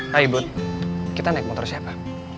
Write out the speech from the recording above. hai bud kita naik motor siapa